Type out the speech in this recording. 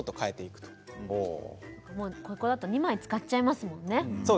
背中だと２枚使っちゃいますよね。